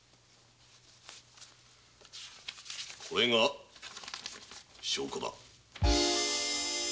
これが証拠だ。